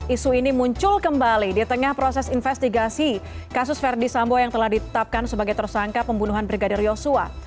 isu ini muncul kembali di tengah proses investigasi kasus verdi sambo yang telah ditetapkan sebagai tersangka pembunuhan brigadir yosua